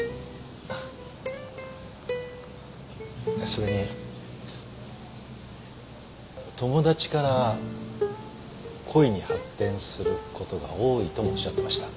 それに友達から恋に発展することが多いともおっしゃってました。